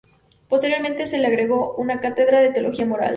Posteriormente se le agregó una cátedra de Teología Moral.